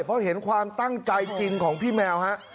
เพราะเห็นความตั้งใจจริงของพี่แมวฮะ